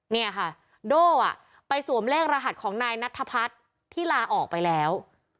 เนี่ยค่ะโด่ไปสวมเลขรหัสของนายนัทพัฒน์ที่ลาออกไปแล้ว